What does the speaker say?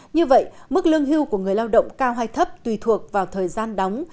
như vậy mức lương hưu của người lao động cao hay thấp tùy thuộc vào thời gian đóng